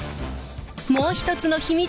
もう一つの秘密